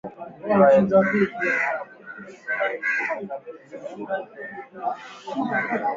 Viambaupishi vya kupikia pilau